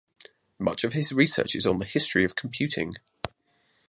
Much of his research is on the history of computing.